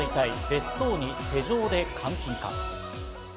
別荘に手錠で監禁か？